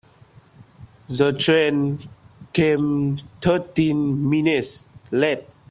The train came thirteen minutes late.